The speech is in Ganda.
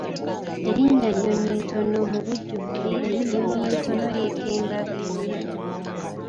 Erinnya Nyonyintono mubujjuvu liri Nyonyintono yeekemba byoya.